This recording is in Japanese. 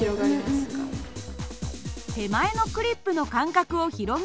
手前のクリップの間隔を広げるようです。